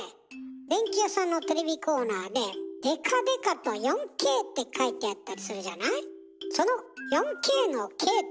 電器屋さんのテレビコーナーででかでかと「４Ｋ」って書いてあったりするじゃない？